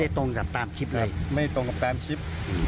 ตรงกับตามคลิปเลยไม่ตรงกับตามคลิป